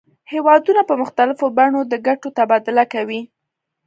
هیوادونه په مختلفو بڼو د ګټو تبادله کوي